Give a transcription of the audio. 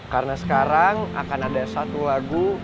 karena sekarang akan ada satu lagu